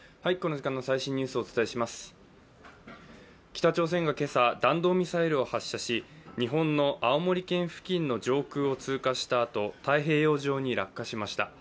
北朝鮮が今朝、弾道ミサイルを発射し日本の青森県付近の上空を通過したあと太平洋上に落下しました。